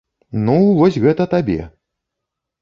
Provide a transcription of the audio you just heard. Ну, вось гэта табе!